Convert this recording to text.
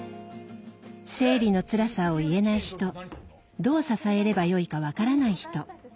生理のつらさを言えない人どう支えればよいか分からない人。